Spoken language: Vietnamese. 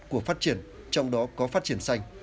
của phát triển trong đó có phát triển xanh